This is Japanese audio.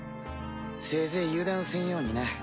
せいぜい油断せんようにな。